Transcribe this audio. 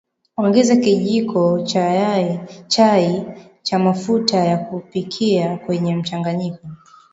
Ongeza kijiko cha chai cha mafuta ya kupikia kwenye mchanganyiko